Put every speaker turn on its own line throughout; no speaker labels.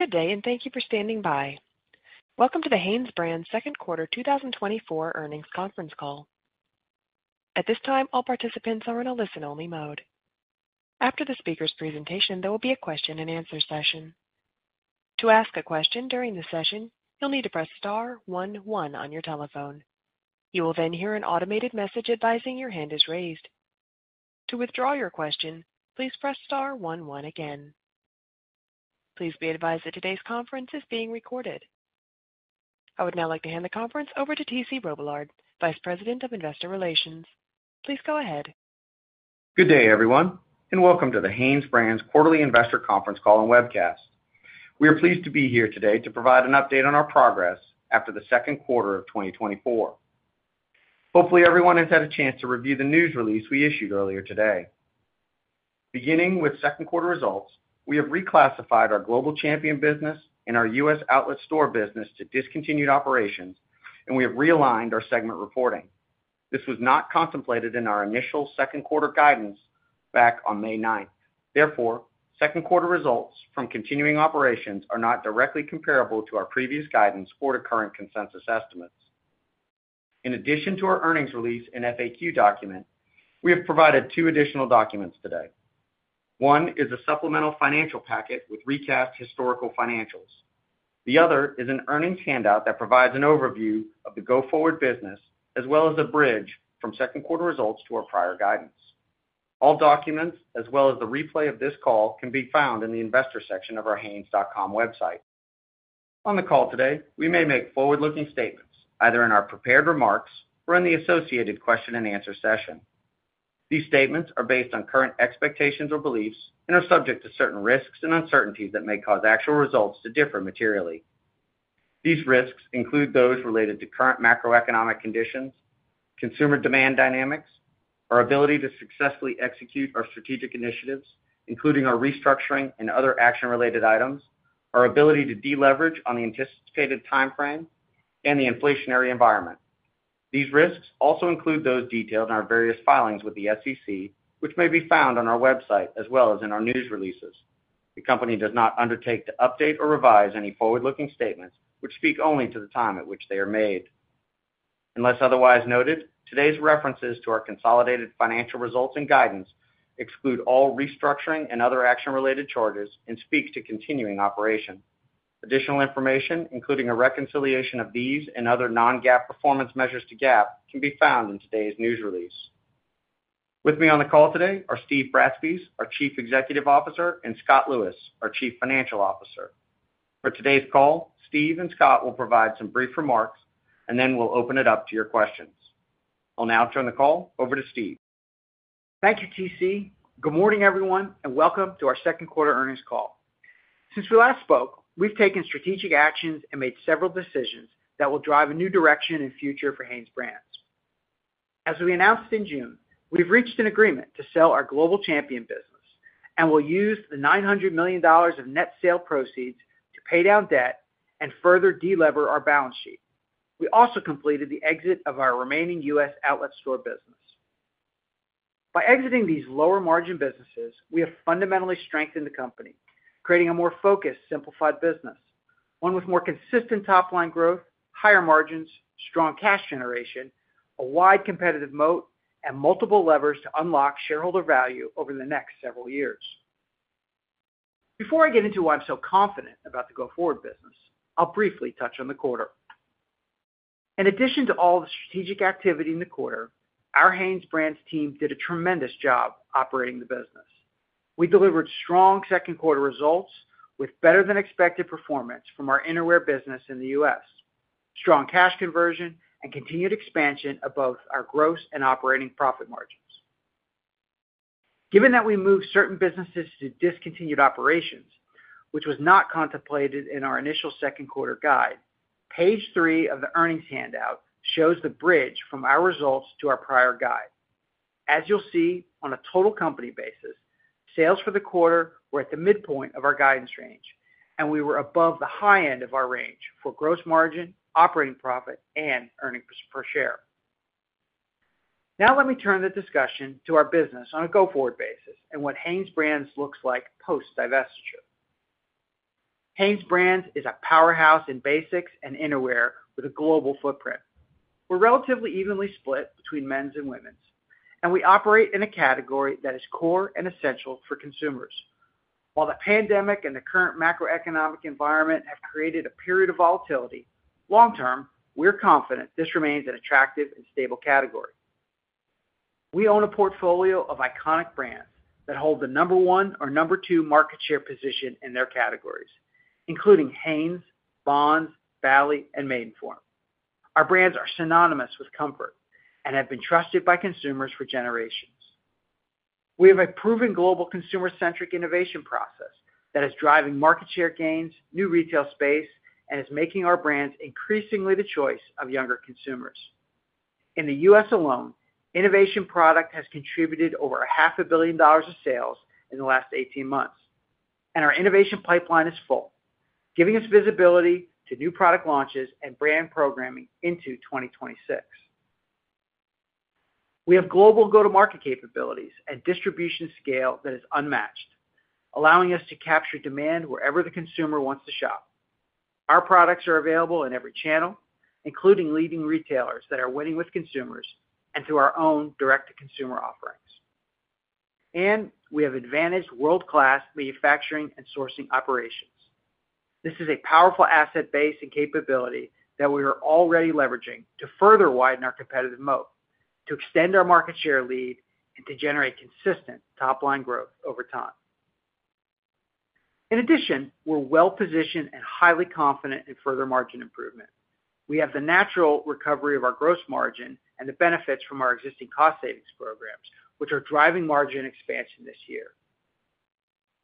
Good day, and thank you for standing by. Welcome to the HanesBrands' Second Quarter 2024 Earnings Conference Call. At this time, all participants are in a listen-only mode. After the speaker's presentation, there will be a question-and-answer session. To ask a question during the session, you'll need to press star one one on your telephone. You will then hear an automated message advising your hand is raised. To withdraw your question, please press star one one again. Please be advised that today's conference is being recorded. I would now like to hand the conference over to T.C. Robillard, Vice President, Investor Relations. Please go ahead.
Good day, everyone, and welcome to the HanesBrands' quarterly investor conference call and webcast. We are pleased to be here today to provide an update on our progress after the second quarter of 2024. Hopefully, everyone has had a chance to review the news release we issued earlier today. Beginning with second quarter results, we have reclassified our Global Champion business and our U.S. Outlet store business to discontinued operations, and we have realigned our segment reporting. This was not contemplated in our initial second quarter guidance back on May 9. Therefore, second quarter results from continuing operations are not directly comparable to our previous guidance or to current consensus estimates. In addition to our earnings release and FAQ document, we have provided two additional documents today. One is a supplemental financial packet with recast historical financials. The other is an earnings handout that provides an overview of the go-forward business, as well as a bridge from second quarter results to our prior guidance. All documents, as well as the replay of this call, can be found in the investor section of our hanes.com website. On the call today, we may make forward-looking statements, either in our prepared remarks or in the associated question-and-answer session. These statements are based on current expectations or beliefs and are subject to certain risks and uncertainties that may cause actual results to differ materially. These risks include those related to current macroeconomic conditions, consumer demand dynamics, our ability to successfully execute our strategic initiatives, including our restructuring and other action-related items, our ability to deleverage on the anticipated timeframe, and the inflationary environment. These risks also include those detailed in our various filings with the SEC, which may be found on our website as well as in our news releases. The company does not undertake to update or revise any forward-looking statements, which speak only to the time at which they are made. Unless otherwise noted, today's references to our consolidated financial results and guidance exclude all restructuring and other action-related charges and speak to continuing operation. Additional information, including a reconciliation of these and other non-GAAP performance measures to GAAP, can be found in today's news release. With me on the call today are Steve Bratspies, our Chief Executive Officer, and Scott Lewis, our Chief Financial Officer. For today's call, Steve and Scott will provide some brief remarks, and then we'll open it up to your questions. I'll now turn the call over to Steve.
Thank you, T.C. Good morning, everyone, and welcome to our second quarter earnings call. Since we last spoke, we've taken strategic actions and made several decisions that will drive a new direction and future for HanesBrands. As we announced in June, we've reached an agreement to sell our Global Champion business and will use the $900 million of net sale proceeds to pay down debt and further delever our balance sheet. We also completed the exit of our remaining U.S. outlet store business. By exiting these lower margin businesses, we have fundamentally strengthened the company, creating a more focused, simplified business, one with more consistent top-line growth, higher margins, strong cash generation, a wide competitive moat, and multiple levers to unlock shareholder value over the next several years. Before I get into why I'm so confident about the go-forward business, I'll briefly touch on the quarter. In addition to all the strategic activity in the quarter, our HanesBrands team did a tremendous job operating the business. We delivered strong second quarter results with better than expected performance from our innerwear business in the U.S., strong cash conversion, and continued expansion of both our gross and operating profit margins. Given that we moved certain businesses to discontinued operations, which was not contemplated in our initial second quarter guide, page three of the earnings handout shows the bridge from our results to our prior guide. As you'll see, on a total company basis, sales for the quarter were at the midpoint of our guidance range, and we were above the high end of our range for gross margin, operating profit, and earnings per share. Now, let me turn the discussion to our business on a go-forward basis and what HanesBrands looks like post-divestiture. HanesBrands is a powerhouse in basics and innerwear with a global footprint. We're relatively evenly split between men's and women's, and we operate in a category that is core and essential for consumers. While the pandemic and the current macroeconomic environment have created a period of volatility, long term, we're confident this remains an attractive and stable category. We own a portfolio of iconic brands that hold the number one or number two market share position in their categories, including Hanes, Bonds, Bali, and Maidenform. Our brands are synonymous with comfort and have been trusted by consumers for generations. We have a proven global consumer-centric innovation process that is driving market share gains, new retail space, and is making our brands increasingly the choice of younger consumers. In the U.S. alone, innovation product has contributed over $500 million of sales in the last 18 months, and our innovation pipeline is full, giving us visibility to new product launches and brand programming into 2026. We have global go-to-market capabilities and distribution scale that is unmatched, allowing us to capture demand wherever the consumer wants to shop. Our products are available in every channel, including leading retailers that are winning with consumers and through our own direct-to-consumer offerings. And we have advantaged world-class manufacturing and sourcing operations. This is a powerful asset base and capability that we are already leveraging to further widen our competitive moat, to extend our market share lead, and to generate consistent top-line growth over time. In addition, we're well-positioned and highly confident in further margin improvement. We have the natural recovery of our gross margin and the benefits from our existing cost savings programs, which are driving margin expansion this year.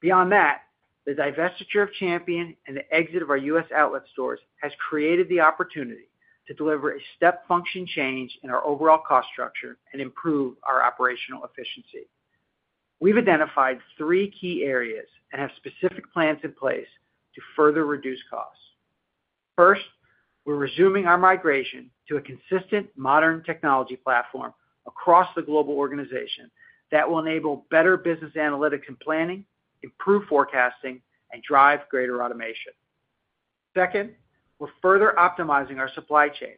Beyond that, the divestiture of Champion and the exit of our U.S. outlet stores has created the opportunity to deliver a step function change in our overall cost structure and improve our operational efficiency. We've identified three key areas and have specific plans in place to further reduce costs. First, we're resuming our migration to a consistent modern technology platform across the global organization that will enable better business analytics and planning, improve forecasting, and drive greater automation. Second, we're further optimizing our supply chain.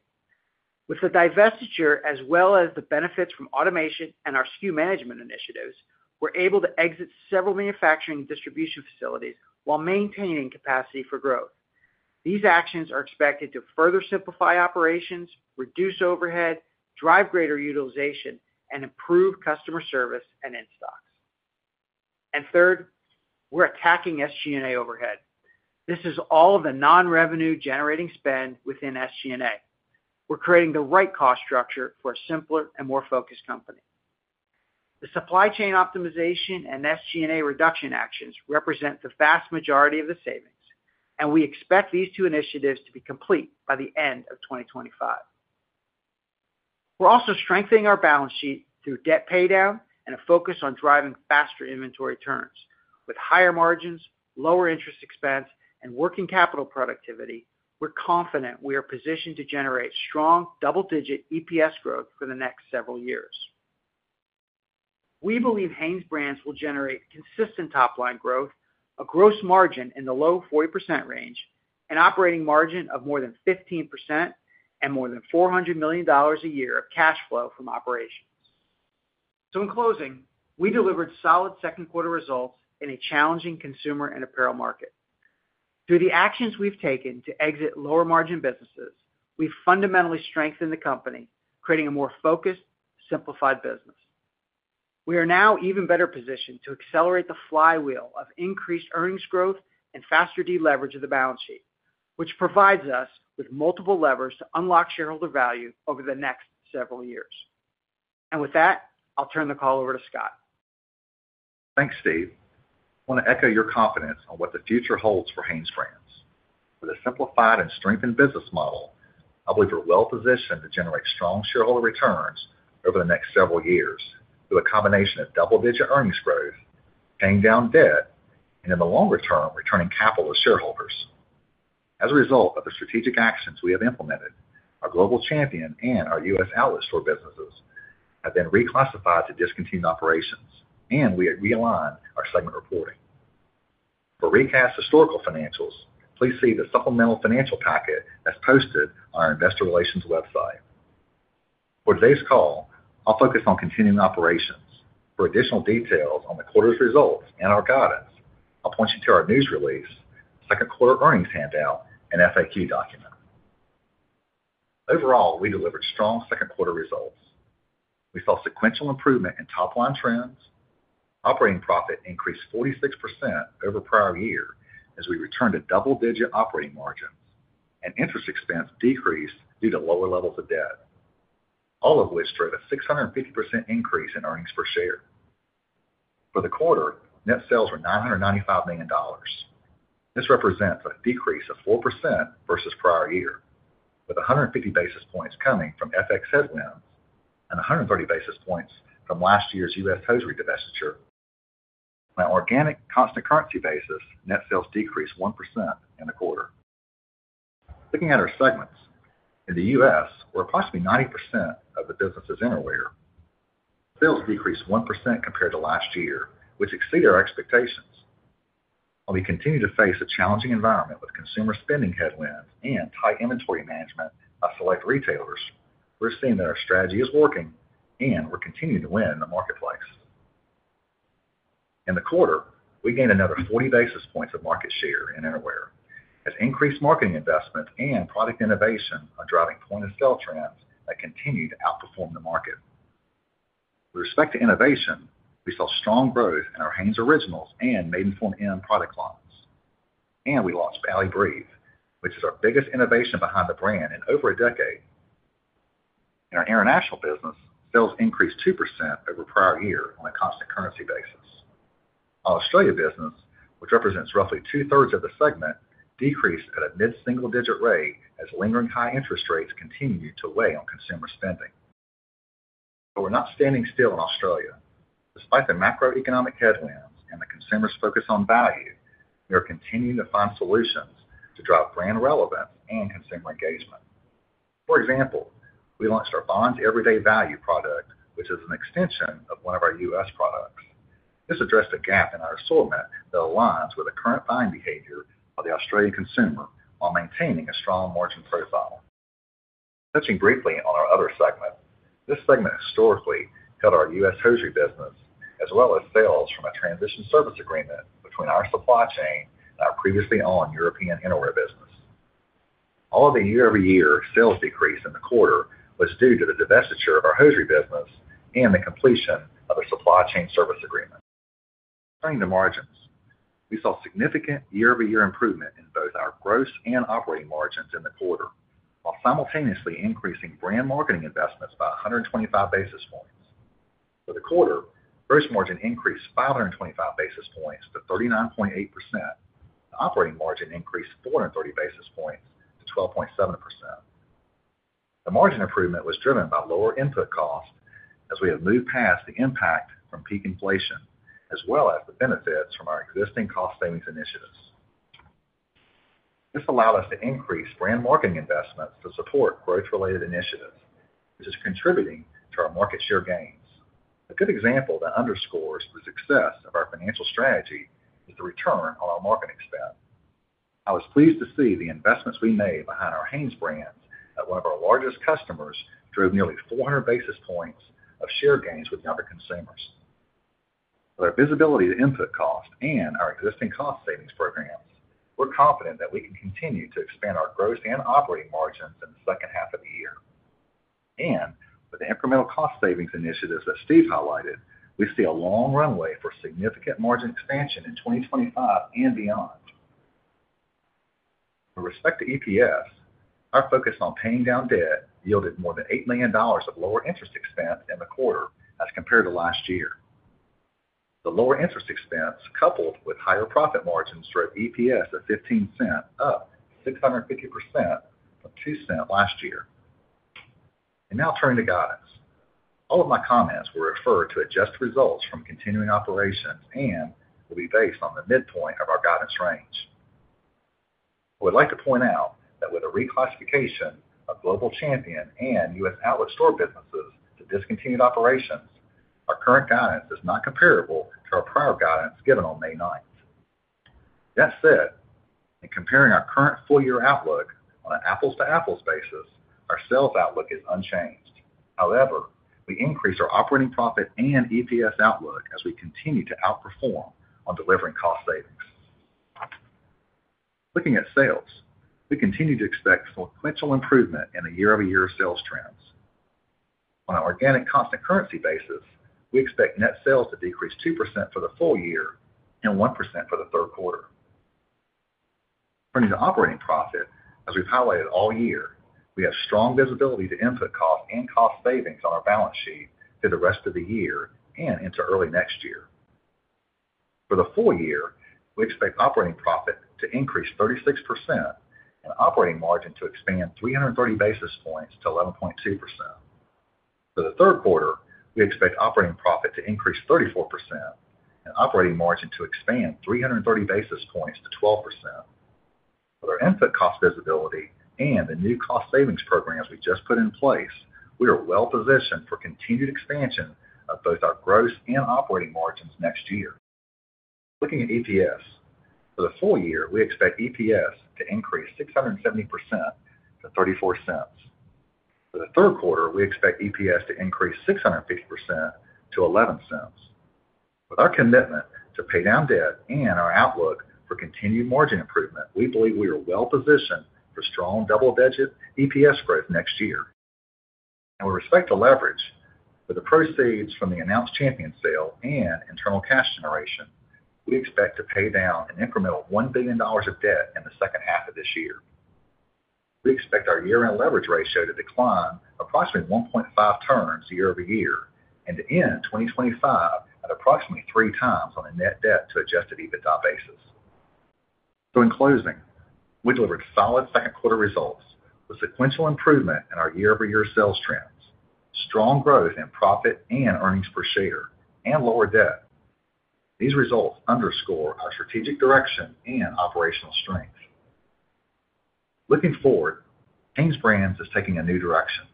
With the divestiture, as well as the benefits from automation and our SKU management initiatives, we're able to exit several manufacturing and distribution facilities while maintaining capacity for growth. These actions are expected to further simplify operations, reduce overhead, drive greater utilization, and improve customer service and in-stocks. And third, we're attacking SG&A overhead. This is all of the non-revenue generating spend within SG&A. We're creating the right cost structure for a simpler and more focused company. The supply chain optimization and SG&A reduction actions represent the vast majority of the savings, and we expect these two initiatives to be complete by the end of 2025. We're also strengthening our balance sheet through debt paydown and a focus on driving faster inventory turns. With higher margins, lower interest expense, and working capital productivity, we're confident we are positioned to generate strong, double-digit EPS growth for the next several years. We believe HanesBrands will generate consistent top-line growth, a gross margin in the low 40% range, an operating margin of more than 15%, and more than $400 million a year of cash flow from operations. So in closing, we delivered solid second quarter results in a challenging consumer and apparel market. Through the actions we've taken to exit lower margin businesses, we've fundamentally strengthened the company, creating a more focused, simplified business. We are now even better positioned to accelerate the flywheel of increased earnings growth and faster deleverage of the balance sheet, which provides us with multiple levers to unlock shareholder value over the next several years. And with that, I'll turn the call over to Scott.
Thanks, Steve. I want to echo your confidence on what the future holds for HanesBrands. With a simplified and strengthened business model, I believe we're well positioned to generate strong shareholder returns over the next several years, through a combination of double-digit earnings growth, paying down debt, and in the longer term, returning capital to shareholders. As a result of the strategic actions we have implemented, our global Champion and our U.S. outlet store businesses have been reclassified to discontinued operations, and we have realigned our segment reporting. For recast historical financials, please see the supplemental financial packet that's posted on our investor relations website. For today's call, I'll focus on continuing operations. For additional details on the quarter's results and our guidance, I'll point you to our news release, second quarter earnings handout, and FAQ document. Overall, we delivered strong second quarter results. We saw sequential improvement in top-line trends. Operating profit increased 46% over prior year as we returned to double-digit operating margins, and interest expense decreased due to lower levels of debt, all of which drove a 650% increase in earnings per share. For the quarter, net sales were $995 million. This represents a decrease of 4% versus prior year, with 150 basis points coming from FX headwinds and 130 basis points from last year's U.S. Hosiery divestiture. On an organic constant currency basis, net sales decreased 1% in the quarter. Looking at our segments, in the U.S., where approximately 90% of the business is innerwear, sales decreased 1% compared to last year, which exceeded our expectations. While we continue to face a challenging environment with consumer spending headwinds and tight inventory management of select retailers, we're seeing that our strategy is working, and we're continuing to win in the marketplace. In the quarter, we gained another 40 basis points of market share in innerwear, as increased marketing investments and product innovation are driving point-of-sale trends that continue to outperform the market. With respect to innovation, we saw strong growth in our Hanes Originals and Maidenform M product lines, and we launched Bali Breathe, which is our biggest innovation behind the brand in over a decade. In our international business, sales increased 2% over prior year on a constant currency basis. Our Australia business, which represents roughly two-thirds of the segment, decreased at a mid-single digit rate as lingering high interest rates continued to weigh on consumer spending. But we're not standing still in Australia.... Despite the macroeconomic headwinds and the consumer's focus on value, we are continuing to find solutions to drive brand relevance and consumer engagement. For example, we launched our Bonds Everyday Value product, which is an extension of one of our U.S. products. This addressed a gap in our assortment that aligns with the current buying behavior of the Australian consumer, while maintaining a strong margin profile. Touching briefly on our other segment, this segment historically held our U.S. hosiery business, as well as sales from a transition service agreement between our supply chain and our previously owned European innerwear business. All of the year-over-year sales decrease in the quarter was due to the divestiture of our hosiery business and the completion of a supply chain service agreement. Turning to margins, we saw significant year-over-year improvement in both our gross and operating margins in the quarter, while simultaneously increasing brand marketing investments by 125 basis points. For the quarter, gross margin increased 525 basis points to 39.8%. The operating margin increased 430 basis points to 12.7%. The margin improvement was driven by lower input costs as we have moved past the impact from peak inflation, as well as the benefits from our existing cost savings initiatives. This allowed us to increase brand marketing investments to support growth-related initiatives, which is contributing to our market share gains. A good example that underscores the success of our financial strategy is the return on our marketing spend. I was pleased to see the investments we made behind our Hanes brands, that one of our largest customers drove nearly 400 basis points of share gains with younger consumers. With our visibility to input costs and our existing cost savings programs, we're confident that we can continue to expand our gross and operating margins in the second half of the year. With the incremental cost savings initiatives that Steve highlighted, we see a long runway for significant margin expansion in 2025 and beyond. With respect to EPS, our focus on paying down debt yielded more than $8 million of lower interest expense in the quarter as compared to last year. The lower interest expense, coupled with higher profit margins, drove EPS to $0.15, up 650% from $0.02 last year. Now turning to guidance. All of my comments will refer to adjusted results from continuing operations and will be based on the midpoint of our guidance range. I would like to point out that with the reclassification of Global Champion and U.S. Outlet store businesses to discontinued operations, our current guidance is not comparable to our prior guidance given on May 9th. That said, in comparing our current full year outlook on an apples-to-apples basis, our sales outlook is unchanged. However, we increased our operating profit and EPS outlook as we continue to outperform on delivering cost savings. Looking at sales, we continue to expect sequential improvement in the year-over-year sales trends. On an organic, constant currency basis, we expect net sales to decrease 2% for the full year and 1% for the third quarter. Turning to operating profit, as we've highlighted all year, we have strong visibility to input costs and cost savings on our balance sheet through the rest of the year and into early next year. For the full year, we expect operating profit to increase 36% and operating margin to expand 330 basis points to 11.2%. For the third quarter, we expect operating profit to increase 34% and operating margin to expand 330 basis points to 12%. With our input cost visibility and the new cost savings programs we just put in place, we are well positioned for continued expansion of both our gross and operating margins next year. Looking at EPS, for the full year, we expect EPS to increase 670% to $0.34. For the third quarter, we expect EPS to increase 650% to $0.11. With our commitment to pay down debt and our outlook for continued margin improvement, we believe we are well positioned for strong double-digit EPS growth next year. And with respect to leverage, with the proceeds from the announced Champion sale and internal cash generation, we expect to pay down an incremental $1 billion of debt in the second half of this year. We expect our year-end leverage ratio to decline approximately 1.5 turns year-over-year, and to end 2025 at approximately 3x on a net debt to adjusted EBITDA basis. So in closing, we delivered solid second quarter results with sequential improvement in our year-over-year sales trends, strong growth in profit and earnings per share, and lower debt. These results underscore our strategic direction and operational strength. Looking forward, HanesBrands is taking a new direction.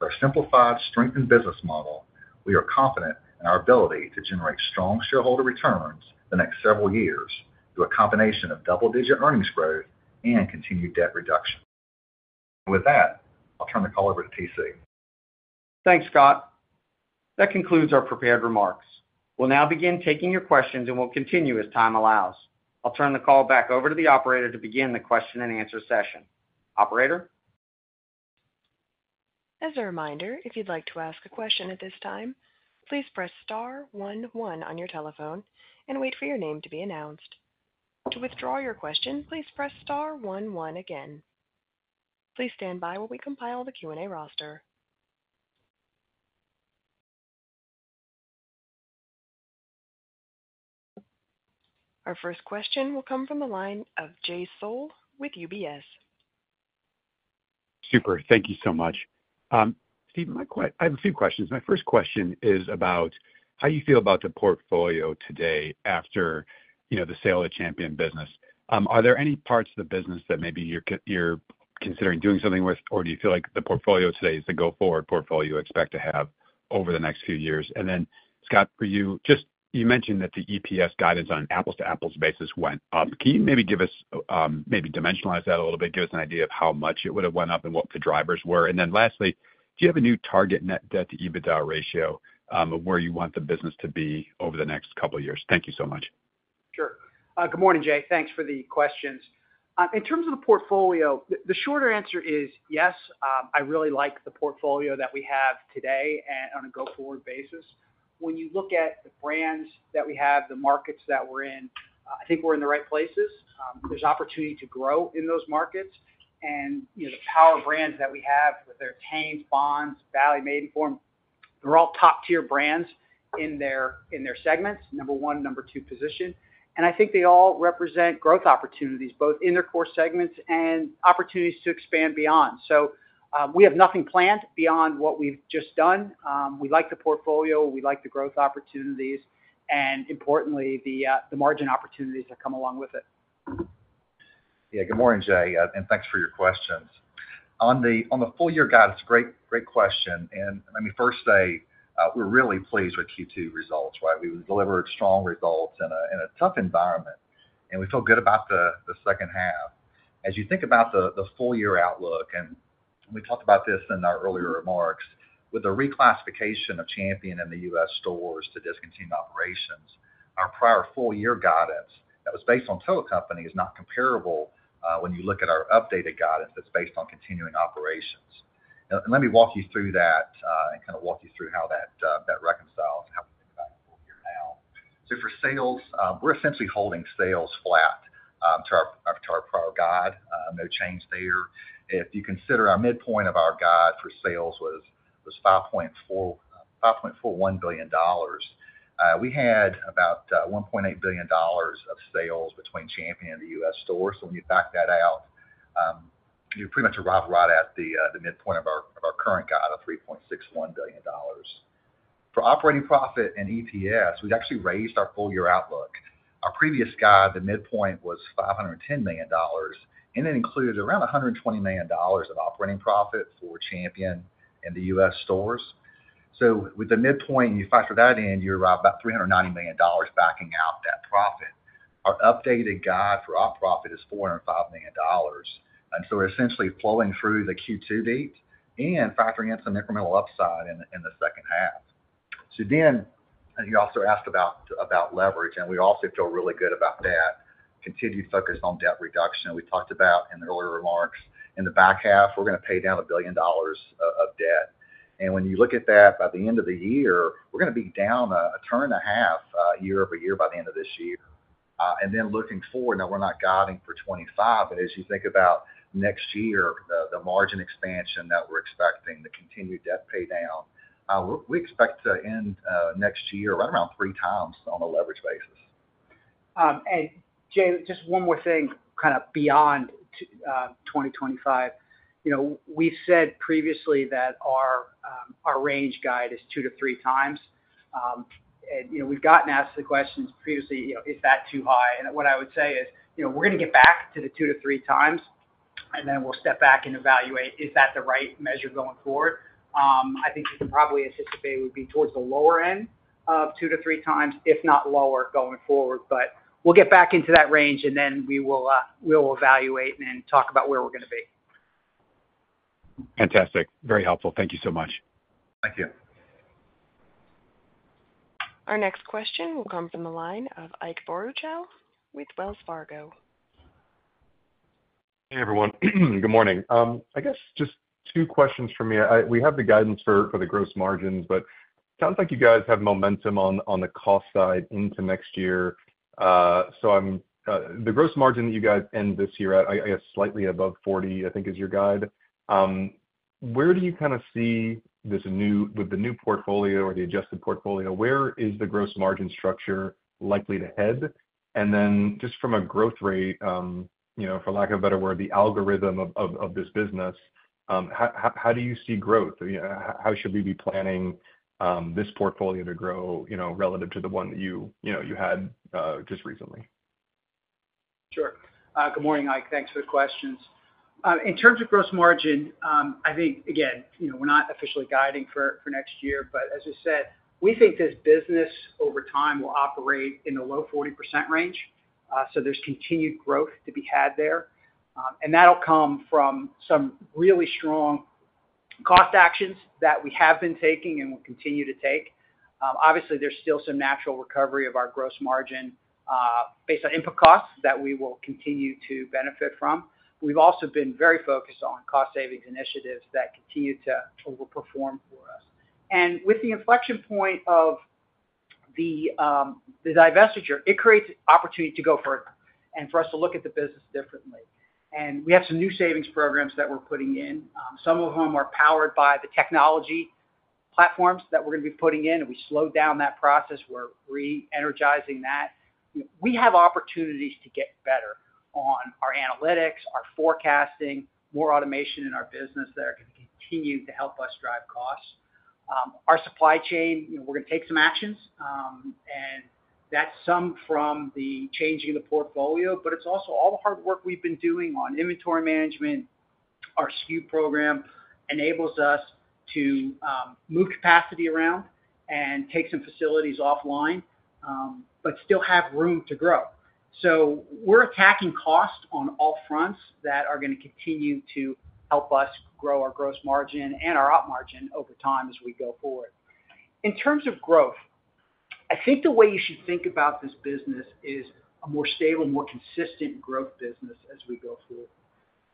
With our simplified, strengthened business model, we are confident in our ability to generate strong shareholder returns the next several years through a combination of double-digit earnings growth and continued debt reduction. With that, I'll turn the call over to T.C.
Thanks, Scott. That concludes our prepared remarks. We'll now begin taking your questions, and we'll continue as time allows. I'll turn the call back over to the operator to begin the question-and-answer session. Operator?
As a reminder, if you'd like to ask a question at this time, please press star one one on your telephone and wait for your name to be announced. To withdraw your question, please press star one one again. Please stand by while we compile the Q&A roster. ...
Our first question will come from the line of Jay Sole with UBS.
Super. Thank you so much. Steve, I have a few questions. My first question is about how you feel about the portfolio today after, you know, the sale of Champion business. Are there any parts of the business that maybe you're considering doing something with, or do you feel like the portfolio today is the go-forward portfolio you expect to have over the next few years? And then, Scott, for you, just, you mentioned that the EPS guidance on an apples-to-apples basis went up. Can you maybe give us, maybe dimensionalize that a little bit, give us an idea of how much it would have went up and what the drivers were? And then lastly, do you have a new target net debt to EBITDA ratio of where you want the business to be over the next couple of years? Thank you so much.
Sure. Good morning, Jay. Thanks for the questions. In terms of the portfolio, the shorter answer is yes. I really like the portfolio that we have today and on a go-forward basis. When you look at the brands that we have, the markets that we're in, I think we're in the right places. There's opportunity to grow in those markets. And, you know, the power brands that we have, whether they're Hanes, Bonds, Bali, Maidenform, they're all top-tier brands in their segments, number one, number two position. And I think they all represent growth opportunities, both in their core segments and opportunities to expand beyond. So, we have nothing planned beyond what we've just done. We like the portfolio, we like the growth opportunities, and importantly, the margin opportunities that come along with it.
Yeah, good morning, Jay, and thanks for your questions. On the full year guidance, great, great question. Let me first say, we're really pleased with Q2 results, right? We delivered strong results in a tough environment, and we feel good about the second half. As you think about the full year outlook, and we talked about this in our earlier remarks, with the reclassification of Champion in the U.S. stores to discontinued operations, our prior full year guidance that was based on total company is not comparable, when you look at our updated guidance that's based on continuing operations. Let me walk you through that, and kinda walk you through how that reconciles and how we think about it full year now. So for sales, we're essentially holding sales flat to our prior guide. No change there. If you consider our midpoint of our guide for sales was $5.41 billion, we had about $1.8 billion of sales between Champion and the U.S. stores. So when you back that out, you pretty much arrive right at the midpoint of our current guide of $3.61 billion. For operating profit and EBITDA, we've actually raised our full year outlook. Our previous guide, the midpoint was $510 million, and it included around $120 million of operating profit for Champion in the U.S. stores. So with the midpoint, you factor that in, you're about $390 million backing out that profit. Our updated guide for op profit is $405 million, and so we're essentially flowing through the Q2 beat and factoring in some incremental upside in the second half. So then, and you also asked about leverage, and we also feel really good about that. Continued focus on debt reduction, we talked about in the earlier remarks. In the back half, we're gonna pay down $1 billion of debt. And when you look at that, by the end of the year, we're gonna be down 1.5 turns year-over-year by the end of this year. And then looking forward, now we're not guiding for 2025, but as you think about next year, the margin expansion that we're expecting, the continued debt pay down, we expect to end next year right around 3x on a leverage basis.
And Jay, just one more thing, kind of beyond 2025. You know, we've said previously that our, our range guide is 2-3 times. And, you know, we've gotten asked the questions previously, you know, is that too high? And what I would say is, you know, we're gonna get back to the 2-3 times, and then we'll step back and evaluate, is that the right measure going forward? I think you can probably anticipate it would be towards the lower end of 2-3 times, if not lower, going forward. But we'll get back into that range, and then we will, we will evaluate and talk about where we're gonna be.
Fantastic. Very helpful. Thank you so much.
Thank you.
Our next question will come from the line of Ike Boruchow with Wells Fargo.
Hey, everyone. Good morning. I guess just two questions from me. We have the guidance for the gross margins, but sounds like you guys have momentum on the cost side into next year. So the gross margin that you guys end this year at, I guess slightly above 40%, I think is your guide. Where do you kind of see this new-with the new portfolio or the adjusted portfolio, where is the gross margin structure likely to head? And then just from a growth rate, you know, for lack of a better word, the algorithm of this business, how do you see growth? You know, how should we be planning this portfolio to grow, you know, relative to the one you had just recently?
Sure. Good morning, Ike. Thanks for the questions. In terms of gross margin, I think, again, you know, we're not officially guiding for next year, but as I said, we think this business over time will operate in the low 40% range. So there's continued growth to be had there. And that'll come from some really strong cost actions that we have been taking and will continue to take. Obviously, there's still some natural recovery of our gross margin, based on input costs that we will continue to benefit from. We've also been very focused on cost savings initiatives that continue to overperform for us. And with the inflection point of the divestiture, it creates opportunity and for us to look at the business differently. We have some new savings programs that we're putting in, some of whom are powered by the technology platforms that we're gonna be putting in, and we slowed down that process. We're re-energizing that. We have opportunities to get better on our analytics, our forecasting, more automation in our business that are gonna continue to help us drive costs. Our supply chain, you know, we're gonna take some actions, and that's some from the changing of the portfolio, but it's also all the hard work we've been doing on inventory management. Our SKU program enables us to move capacity around and take some facilities offline, but still have room to grow. So we're attacking costs on all fronts that are gonna continue to help us grow our gross margin and our op margin over time as we go forward. In terms of growth, I think the way you should think about this business is a more stable, more consistent growth business as we go forward.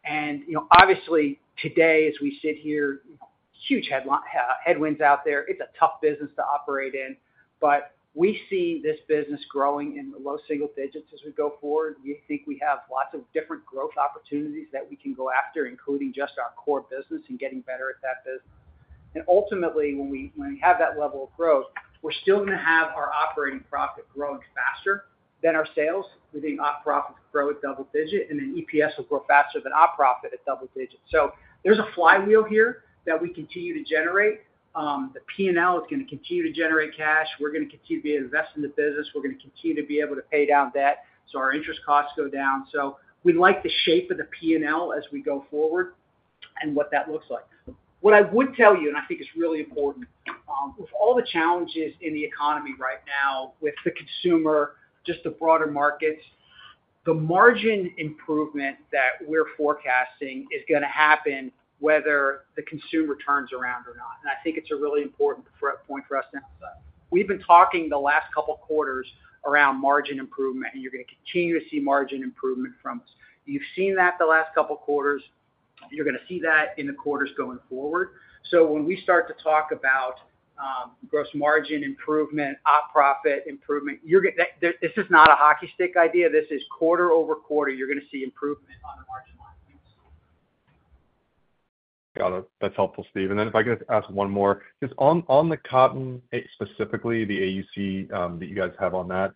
And, you know, obviously, today, as we sit here, huge headwinds out there. It's a tough business to operate in, but we see this business growing in the low single digits as we go forward. We think we have lots of different growth opportunities that we can go after, including just our core business and getting better at that business. And ultimately, when we, when we have that level of growth, we're still gonna have our operating profit growing faster than our sales. We think op profit will grow at double-digit, and then EPS will grow faster than op profit at double-digit. So there's a flywheel here that we continue to generate. The P&L is gonna continue to generate cash. We're gonna continue to invest in the business. We're gonna continue to be able to pay down debt, so our interest costs go down. So we like the shape of the P&L as we go forward and what that looks like. What I would tell you, and I think it's really important, with all the challenges in the economy right now, with the consumer, just the broader markets, the margin improvement that we're forecasting is gonna happen whether the consumer turns around or not. And I think it's a really important point for us to emphasize. We've been talking the last couple of quarters around margin improvement, and you're gonna continue to see margin improvement from us. You've seen that the last couple of quarters. You're gonna see that in the quarters going forward. So when we start to talk about gross margin improvement, op profit improvement, this is not a hockey stick idea. This is quarter-over-quarter, you're gonna see improvement on the margin line.
Got it. That's helpful, Steve. And then if I could ask one more. Just on the cotton, specifically, the AUC that you guys have on that,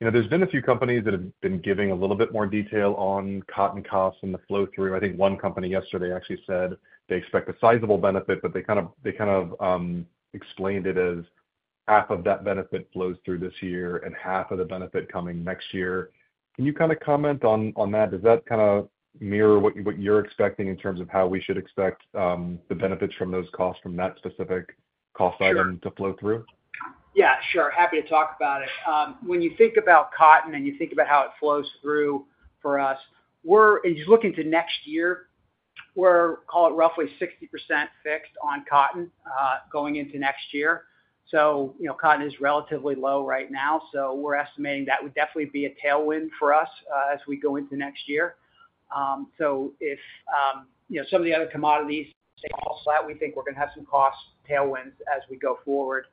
you know, there's been a few companies that have been giving a little bit more detail on cotton costs and the flow-through. I think one company yesterday actually said they expect a sizable benefit, but they kind of explained it as half of that benefit flows through this year and half of the benefit coming next year. Can you kind of comment on that? Does that kind of mirror what you're expecting in terms of how we should expect the benefits from those costs from that specific cost item?
Sure.
to flow through?
Yeah, sure. Happy to talk about it. When you think about cotton and you think about how it flows through for us, we're as you look into next year, we're, call it, roughly 60% fixed on cotton, going into next year. So, you know, cotton is relatively low right now, so we're estimating that would definitely be a tailwind for us, as we go into next year. So if, you know, some of the other commodities stay all flat, we think we're gonna have some cost tailwinds as we go forward,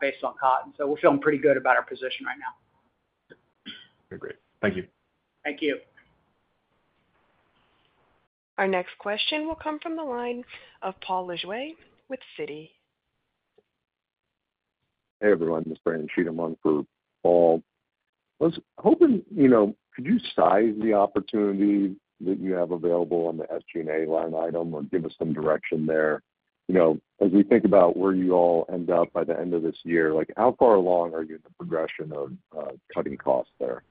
based on cotton. So we're feeling pretty good about our position right now.
Great. Thank you.
Thank you.
Our next question will come from the line of Paul Lejuez with Citi.
Hey, everyone, this is Brandon Cheatham on for Paul. I was hoping, you know, could you size the opportunity that you have available on the SG&A line item or give us some direction there? You know, as we think about where you all end up by the end of this year, like, how far along are you in the progression of cutting costs there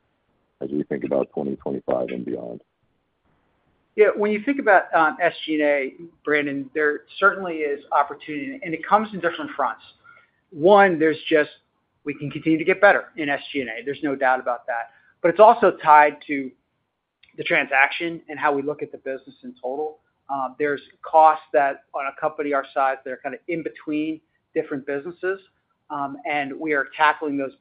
as we think about 2025 and beyond?
Yeah, when you think about SG&A, Brandon, there certainly is opportunity, and it comes in different fronts. One, there's just we can continue to get better in SG&A. There's no doubt about that. But it's also tied to the transaction and how we look at the business in total. There's costs that, on a company our size, that are kind of in between different businesses, and we are tackling those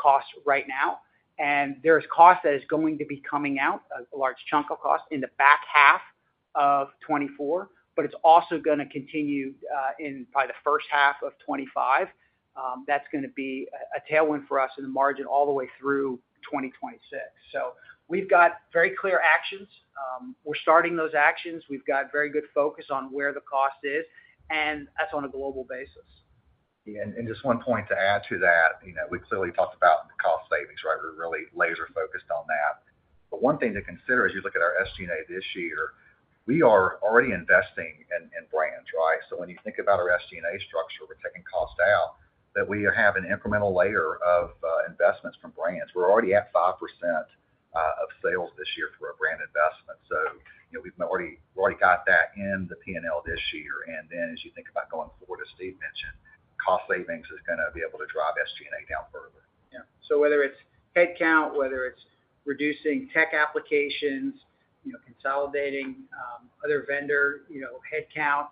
costs right now. And there's cost that is going to be coming out, a large chunk of cost, in the back half of 2024, but it's also gonna continue in by the first half of 2025. That's gonna be a tailwind for us in the margin all the way through 2026. So we've got very clear actions. We're starting those actions. We've got very good focus on where the cost is, and that's on a global basis.
Yeah, and just one point to add to that, you know, we've clearly talked about the cost savings, right? We're really laser focused on that. But one thing to consider as you look at our SG&A this year, we are already investing in brands, right? So when you think about our SG&A structure, we're taking costs out, that we have an incremental layer of investments from brands. We're already at 5% of sales this year through our brand investment. So you know, we've already got that in the P&L this year. And then as you think about going forward, as Steve mentioned, cost savings is gonna be able to drive SG&A down further.
Yeah. So whether it's headcount, whether it's reducing tech applications, you know, consolidating, other vendor, you know, headcount,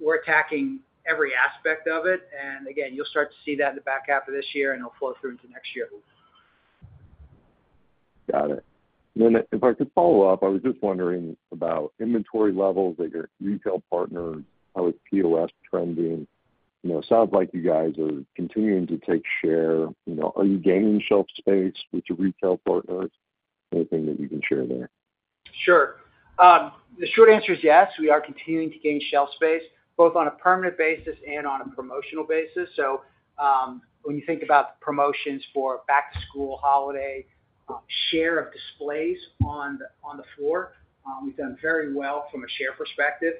we're attacking every aspect of it. And again, you'll start to see that in the back half of this year, and it'll flow through into next year.
Got it. And then if I could follow up, I was just wondering about inventory levels at your retail partners, how is POS trending?...
You know, sounds like you guys are continuing to take share. You know, are you gaining shelf space with your retail partners? Anything that you can share there?
Sure. The short answer is yes, we are continuing to gain shelf space, both on a permanent basis and on a promotional basis. So, when you think about promotions for back-to-school, holiday, share of displays on the floor, we've done very well from a share perspective.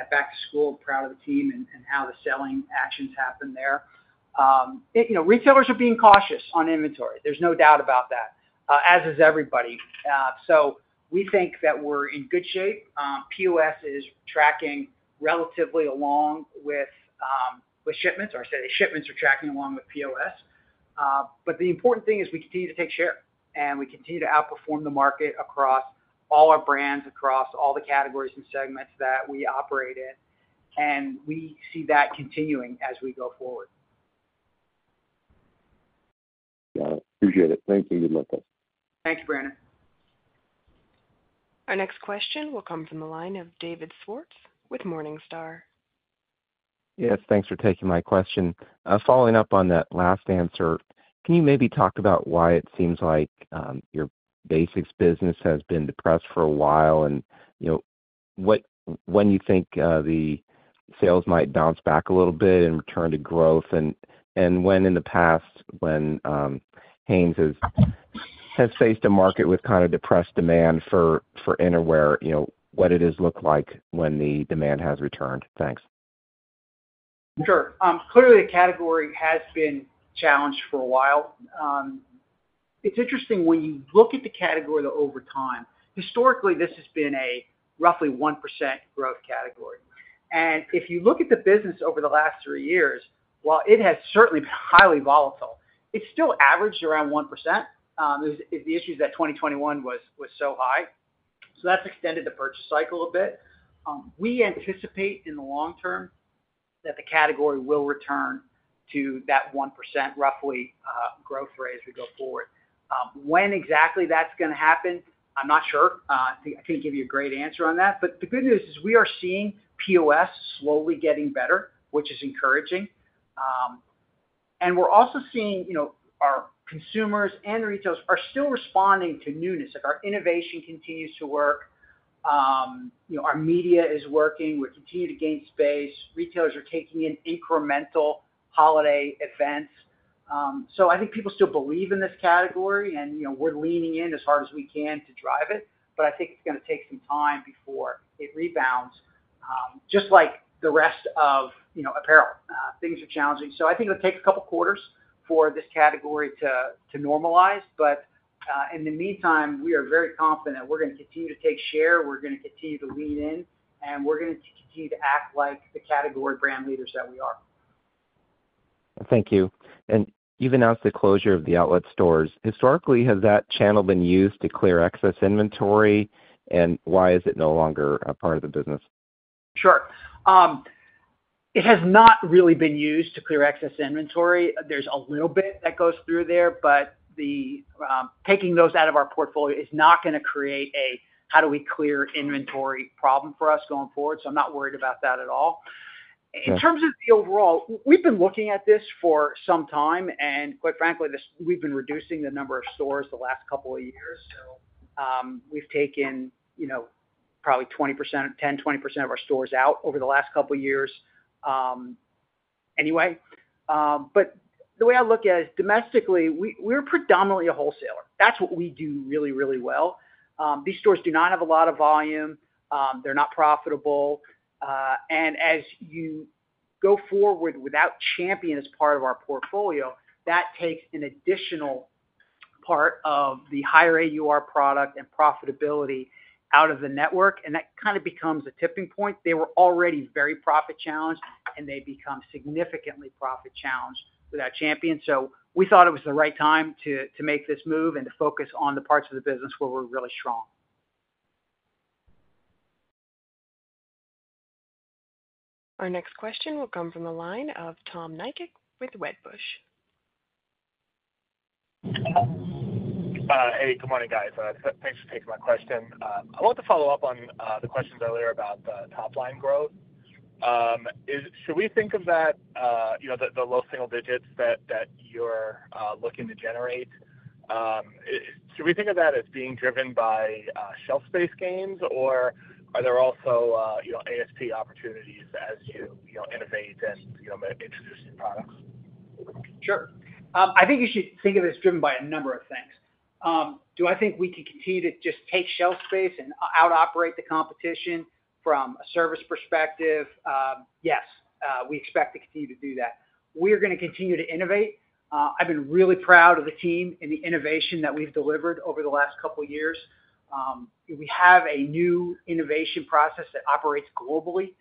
At back-to-school, proud of the team and how the selling actions happened there. You know, retailers are being cautious on inventory. There's no doubt about that, as is everybody. So we think that we're in good shape. POS is tracking relatively along with shipments, or I should say, shipments are tracking along with POS. But the important thing is we continue to take share, and we continue to outperform the market across all our brands, across all the categories and segments that we operate in, and we see that continuing as we go forward.
Got it. Appreciate it. Thank you, and good luck guys.
Thank you, Brandon.
Our next question will come from the line of David Swartz with Morningstar.
Yes, thanks for taking my question. Following up on that last answer, can you maybe talk about why it seems like your basics business has been depressed for a while? And, you know, what when you think the sales might bounce back a little bit and return to growth, and when in the past, when Hanes has faced a market with kind of depressed demand for innerwear, you know, what it has looked like when the demand has returned? Thanks.
Sure. Clearly, the category has been challenged for a while. It's interesting when you look at the category over time. Historically, this has been a roughly 1% growth category. And if you look at the business over the last three years, while it has certainly been highly volatile, it's still averaged around 1%. The issue is that 2021 was so high, so that's extended the purchase cycle a bit. We anticipate in the long term that the category will return to that 1%, roughly, growth rate as we go forward. When exactly that's gonna happen, I'm not sure. I can't give you a great answer on that. But the good news is we are seeing POS slowly getting better, which is encouraging. And we're also seeing, you know, our consumers and retailers are still responding to newness. Like, our innovation continues to work, you know, our media is working, we're continuing to gain space. Retailers are taking in incremental holiday events. So I think people still believe in this category, and, you know, we're leaning in as hard as we can to drive it, but I think it's gonna take some time before it rebounds, just like the rest of, you know, apparel. Things are challenging. So I think it'll take a couple quarters for this category to normalize, but, in the meantime, we are very confident we're gonna continue to take share, we're gonna continue to lean in, and we're gonna continue to act like the category brand leaders that we are.
Thank you. You've announced the closure of the outlet stores. Historically, has that channel been used to clear excess inventory? Why is it no longer a part of the business?
Sure. It has not really been used to clear excess inventory. There's a little bit that goes through there, but Taking those out of our portfolio is not gonna create a how do we clear inventory problem for us going forward, so I'm not worried about that at all.
Sure.
In terms of the overall, we've been looking at this for some time, and quite frankly, we've been reducing the number of stores the last couple of years. So, we've taken, you know, probably 20%, 10, 20% of our stores out over the last couple of years, anyway. But the way I look at it, domestically, we're predominantly a wholesaler. That's what we do really, really well. These stores do not have a lot of volume. They're not profitable. And as you go forward without Champion as part of our portfolio, that takes an additional part of the higher AUR product and profitability out of the network, and that kind of becomes a tipping point. They were already very profit-challenged, and they become significantly profit-challenged without Champion. We thought it was the right time to make this move and to focus on the parts of the business where we're really strong.
Our next question will come from the line of Tom Nikic with Wedbush.
Hey, good morning, guys. Thanks for taking my question. I want to follow up on the questions earlier about top line growth. Should we think of that, you know, the low single digits that you're looking to generate? Should we think of that as being driven by shelf space gains, or are there also, you know, ASP opportunities as you innovate and introduce new products?
Sure. I think you should think of it as driven by a number of things. Do I think we can continue to just take shelf space and out operate the competition from a service perspective? Yes, we expect to continue to do that. We're gonna continue to innovate. I've been really proud of the team and the innovation that we've delivered over the last couple years. We have a new innovation process that operates globally,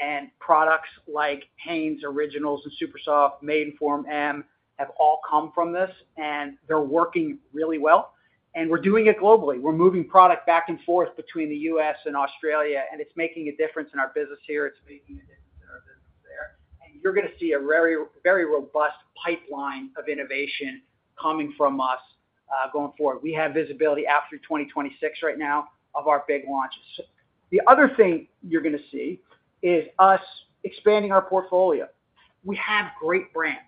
and products like Hanes Originals and SuperSoft, Maidenform M, have all come from this, and they're working really well, and we're doing it globally. We're moving product back and forth between the U.S. and Australia, and it's making a difference in our business here. It's making a difference in our business there. And you're gonna see a very, very robust pipeline of innovation coming from us.... Going forward. We have visibility out through 2026 right now of our big launches. The other thing you're gonna see is us expanding our portfolio. We have great brands.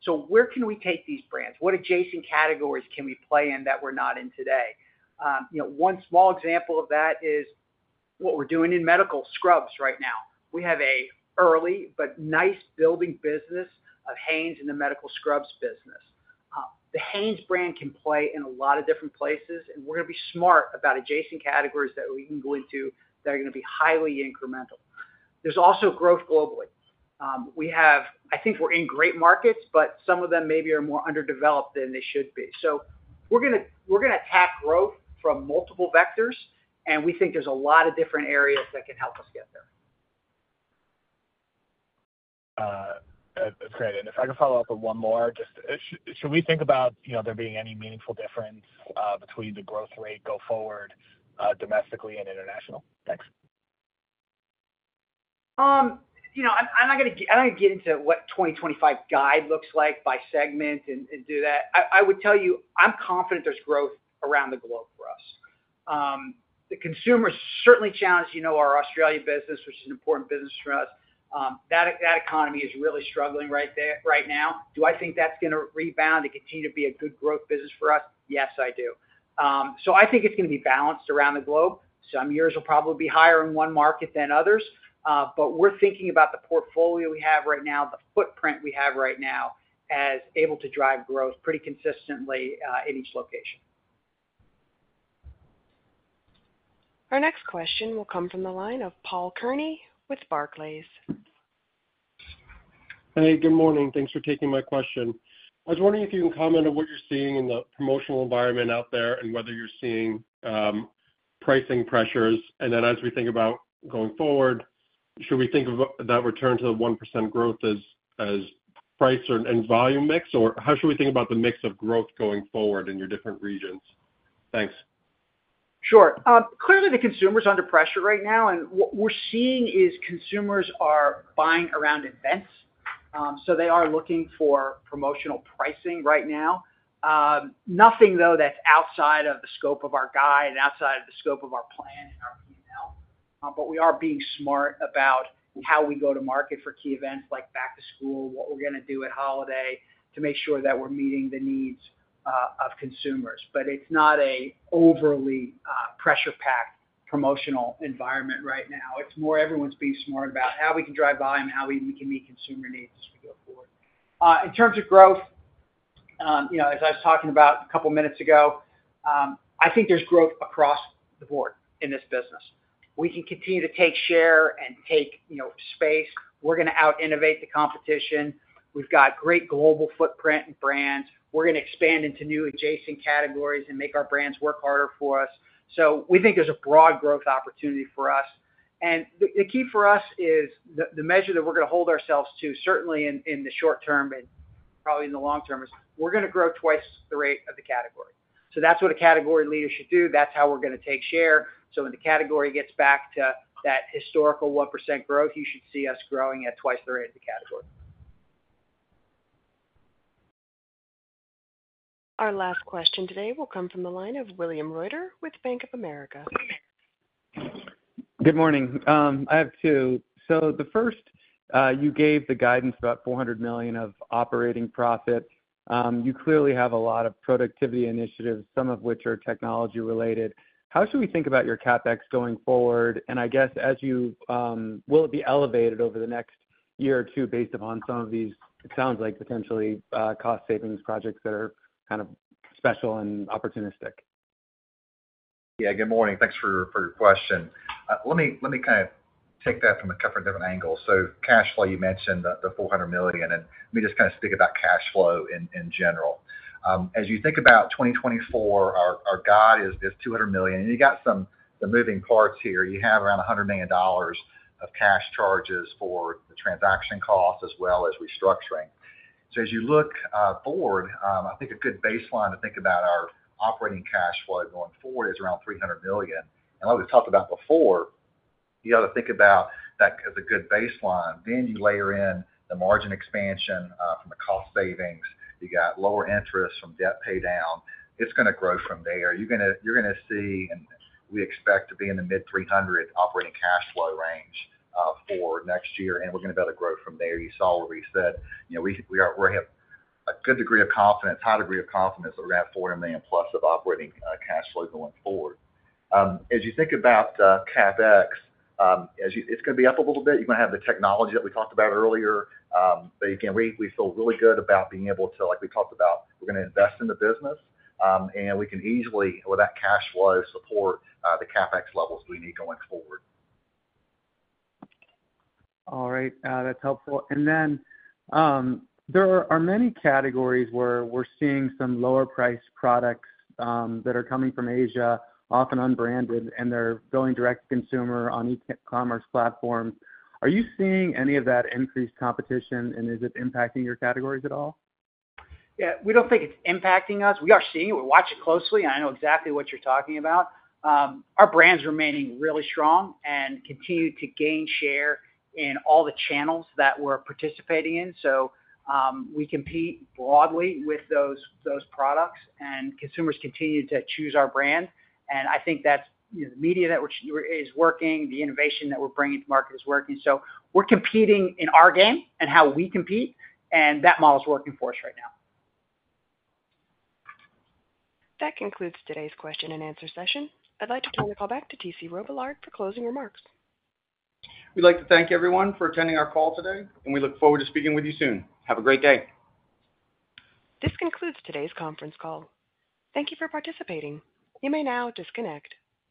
So where can we take these brands? What adjacent categories can we play in that we're not in today? You know, one small example of that is what we're doing in medical scrubs right now. We have an early but nice building business of Hanes in the medical scrubs business. The Hanes brand can play in a lot of different places, and we're gonna be smart about adjacent categories that we can go into that are gonna be highly incremental. There's also growth globally. We have—I think we're in great markets, but some of them maybe are more underdeveloped than they should be. So we're gonna, we're gonna attack growth from multiple vectors, and we think there's a lot of different areas that can help us get there.
Great, and if I can follow up with one more, just, should we think about, you know, there being any meaningful difference between the growth rate go forward, domestically and international? Thanks.
You know, I'm not gonna get into what 2025 guide looks like by segment and do that. I would tell you, I'm confident there's growth around the globe for us. The consumer is certainly challenged, you know, our Australia business, which is an important business for us. That economy is really struggling right there, right now. Do I think that's gonna rebound and continue to be a good growth business for us? Yes, I do. So I think it's gonna be balanced around the globe. Some years will probably be higher in one market than others, but we're thinking about the portfolio we have right now, the footprint we have right now, as able to drive growth pretty consistently in each location.
Our next question will come from the line of Paul Kearney with Barclays.
Hey, good morning. Thanks for taking my question. I was wondering if you can comment on what you're seeing in the promotional environment out there, and whether you're seeing pricing pressures. And then, as we think about going forward, should we think of that return to the 1% growth as price and volume mix? Or how should we think about the mix of growth going forward in your different regions? Thanks.
Sure. Clearly, the consumer's under pressure right now, and what we're seeing is consumers are buying around events. So they are looking for promotional pricing right now. Nothing, though, that's outside of the scope of our guide and outside of the scope of our plan and our P&L. But we are being smart about how we go to market for key events like back to school, what we're gonna do at holiday, to make sure that we're meeting the needs of consumers. But it's not an overly pressure-packed promotional environment right now. It's more everyone's being smart about how we can drive volume, how we can meet consumer needs as we go forward. In terms of growth, you know, as I was talking about a couple minutes ago, I think there's growth across the board in this business. We can continue to take share and take, you know, space. We're gonna out-innovate the competition. We've got great global footprint and brands. We're gonna expand into new adjacent categories and make our brands work harder for us. So we think there's a broad growth opportunity for us. And the key for us is the measure that we're gonna hold ourselves to, certainly in the short term and probably in the long term, is we're gonna grow twice the rate of the category. So that's what a category leader should do. That's how we're gonna take share. So when the category gets back to that historical 1% growth, you should see us growing at twice the rate of the category.
Our last question today will come from the line of William Reuter with Bank of America.
Good morning. I have two. So the first, you gave the guidance about $400 million of operating profit. You clearly have a lot of productivity initiatives, some of which are technology related. How should we think about your CapEx going forward? And I guess Will it be elevated over the next year or two based upon some of these, it sounds like, potentially, cost savings projects that are kind of special and opportunistic?
Yeah, good morning. Thanks for, for your question. Let me, let me kind of take that from a couple of different angles. So cash flow, you mentioned the, the $400 million, and then let me just kind of speak about cash flow in, in general. As you think about 2024, our, our guide is, is $200 million, and you got some, the moving parts here, you have around $100 million of cash charges for the transaction costs, as well as restructuring. So as you look, forward, I think a good baseline to think about our operating cash flow going forward is around $300 million. And what we talked about before, you got to think about that as a good baseline. Then you layer in the margin expansion, from the cost savings. You got lower interest from debt paydown. It's gonna grow from there. You're gonna, you're gonna see, and we expect to be in the mid-$300 million operating cash flow range for next year, and we're gonna be able to grow from there. You saw what we said. You know, we have a good degree of confidence, a high degree of confidence that we're going to have $400 million plus of operating cash flow going forward. As you think about CapEx, as you... It's gonna be up a little bit. You're gonna have the technology that we talked about earlier. But again, we feel really good about being able to, like we talked about, we're gonna invest in the business, and we can easily, with that cash flow, support the CapEx levels we need going forward.
All right, that's helpful. And then, there are many categories where we're seeing some lower priced products that are coming from Asia, often unbranded, and they're going direct to consumer on e-commerce platforms. Are you seeing any of that increased competition, and is it impacting your categories at all?
Yeah, we don't think it's impacting us. We are seeing it. We're watching it closely. I know exactly what you're talking about. Our brand's remaining really strong and continue to gain share in all the channels that we're participating in, so, we compete broadly with those, those products, and consumers continue to choose our brand. And I think that's, you know, the media that is working, the innovation that we're bringing to market is working. So we're competing in our game and how we compete, and that model is working for us right now.
That concludes today's question-and-answer session. I'd like to turn the call back to T.C. Robillard for closing remarks.
We'd like to thank everyone for attending our call today, and we look forward to speaking with you soon. Have a great day.
This concludes today's conference call. Thank you for participating. You may now disconnect.